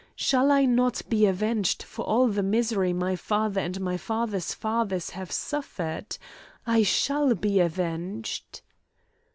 Shall I not be avenged for all the misery my father and my father's fathers have suffered? I shall be avenged."